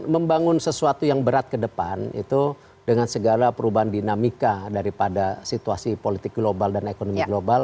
membangun sesuatu yang berat ke depan itu dengan segala perubahan dinamika daripada situasi politik global dan ekonomi global